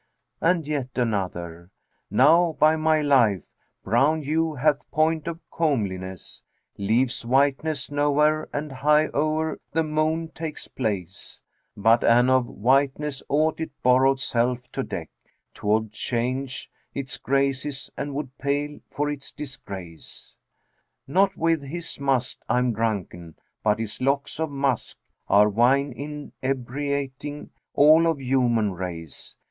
And yet another, 'Now, by my life, brown hue hath point of comeliness * Leaves whiteness nowhere and high o'er the Moon takes place; But an of whiteness aught it borrowed self to deck, * 'Twould change its graces and would pale for its disgrace: Not with his must[FN#381] I'm drunken, but his locks of musk * Are wine inebriating all of human race.